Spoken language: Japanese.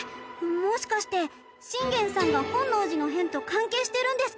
もしかして信玄さんが本能寺の変と関係してるんですか？